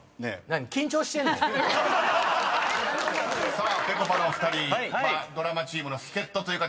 ［さあぺこぱのお二人ドラマチームの助っ人という形になりますが］